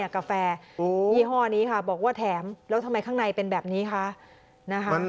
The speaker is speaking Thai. กาแฟยี่ห้อนี้ค่ะบอกว่าแถมแล้วทำไมข้างในเป็นแบบนี้คะนะคะ